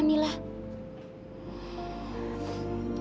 kamila sudah menemukan anak yang selama ini anda cari cari